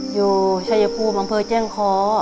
อยู่ชายภูมิมเจ้งค